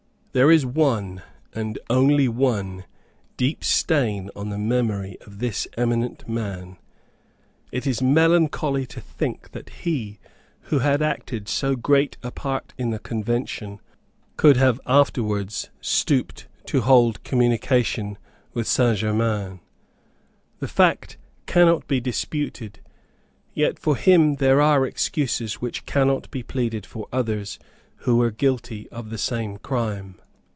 There is one and only one deep stain on the memory of this eminent man. It is melancholy to think that he, who had acted so great a part in the Convention, could have afterwards stooped to hold communication with Saint Germains. The fact cannot be disputed; yet for him there are excuses which cannot be pleaded for others who were guilty of the same crime.